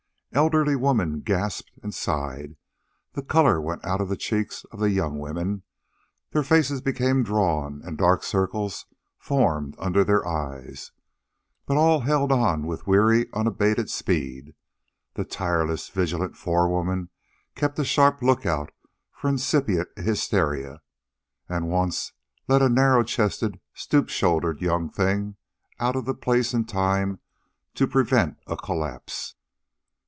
Elderly women gasped and sighed; the color went out of the cheeks of the young women, their faces became drawn and dark circles formed under their eyes; but all held on with weary, unabated speed. The tireless, vigilant forewoman kept a sharp lookout for incipient hysteria, and once led a narrow chested, stoop shouldered young thing out of the place in time to prevent a collapse.